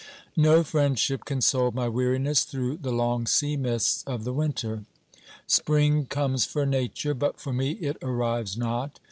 No friend ship consoled my weariness through the long sea mists of the winter. Spring comes for Nature, but for me it arrives not.